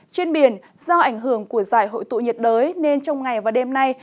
trên biển do ảnh hưởng của giải hội tụ nhiệt đới nên trong ngày và đêm nay